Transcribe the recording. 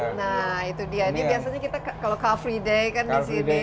nah itu dia ini biasanya kalau kalau calvary day kan di sini